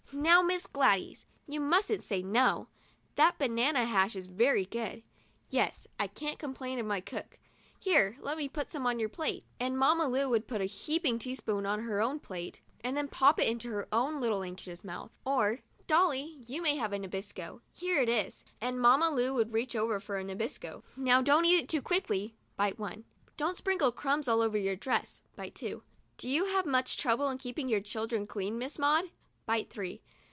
'Now, Miss Gladys, you mustn't say 'no.' That banana hash is very good. Yes, I can't complain of my cook. Here, let me put some on your plate," and Mamma Lu would put a heaping teaspoonful on her 31 THE DIARY OF A BIRTHDAY DOLL own plate and then pop it into her own little anxious mouth. Or, 'Dolly, you may have a Nabisco. Here it is," and Mamma Lu would reach over for a Nabisco. "Now, don't eat it too quickly" (bite one). " Don't sprinkle the crumbs all over your dress ' (bite two). "Do you have much trouble in keeping your children clean, Miss Maud ?" (bite three).